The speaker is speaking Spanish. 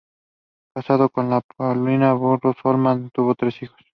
Casado con Paulina Barros Holman, tuvo tres hijas.